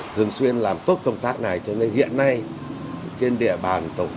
thường xuyên làm tốt công tác này cho nên hiện nay trên địa bàn tổ